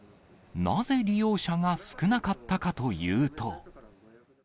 なぜ利用者が少なかったかというと。